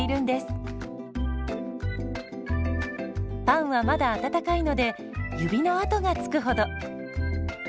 パンはまだ温かいので指の跡がつくほど。